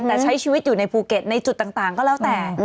แต่ใช้ชีวิตอยู่ในภูเก็ตในจุดต่างก็แล้วแต่